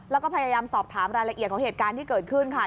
แล้วก็พยายามสอบถามรายละเอียดของเหตุการณ์ที่เกิดขึ้นค่ะ